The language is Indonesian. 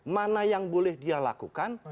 mana yang boleh dia lakukan